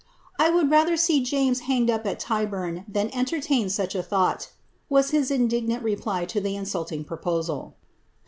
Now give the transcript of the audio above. ^ I would rather see James hanged up at Tyburn than entertain snch a thought," was his indignant reply to the insulting proposal.'